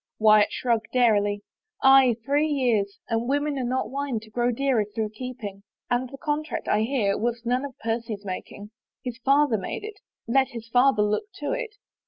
Wyatt shrugged airily. " Aye, three years, and women are not wine to grow dearer through keeping. And the contract, I hear, was none of Percy's making. His father made it — let his father look to it."